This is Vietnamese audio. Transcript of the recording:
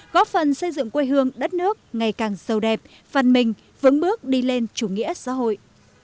góp phần xây dựng quê hương đất nước ngày càng sâu đẹp văn minh vững bước đi lên chủ nghĩa xã hội